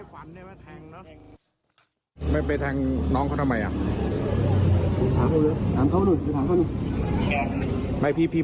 เห็นว่าเขากุณฐนแอบคุยกับผู้ชายหรือ